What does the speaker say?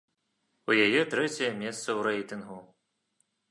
У яе трэцяе месца ў рэйтынгу.